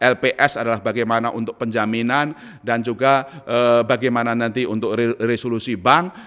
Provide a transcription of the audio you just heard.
lps adalah bagaimana untuk penjaminan dan juga bagaimana nanti untuk resolusi bank